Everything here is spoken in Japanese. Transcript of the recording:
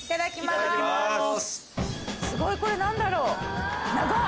すごいこれ何だろう長っ。